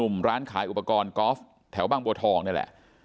กลายอุปกรณ์กอล์ฟแถวบางบวทองเนี่ยแหละ